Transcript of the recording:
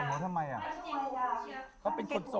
อาทันสั่งหัวทำไม